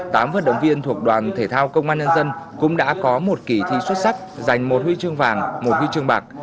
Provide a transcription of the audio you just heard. tám vận động viên thuộc đoàn thể thao công an nhân dân cũng đã có một kỳ thi xuất sắc giành một huy chương vàng một huy chương bạc